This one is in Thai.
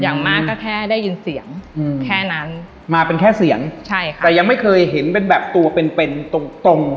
อย่างมากก็แค่ได้ยินเสียงอืมแค่นั้นมาเป็นแค่เสียงใช่ค่ะแต่ยังไม่เคยเห็นเป็นแบบตัวเป็นเป็นตรงตรง